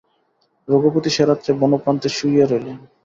রঘুপতি সে রাত্রে বনপ্রান্তে শুইয়া রহিলেন।